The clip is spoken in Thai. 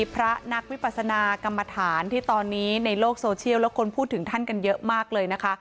พระนักวิปัสนากรรมฐานที่ตอนนี้ในโลกโซเชียลแล้วคนพูดถึงท่านกันเยอะมากเลยนะคะ